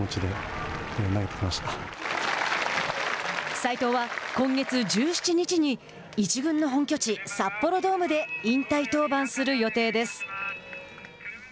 斎藤は今月１７日に１軍の本拠地札幌ドームで引退登板する予定です。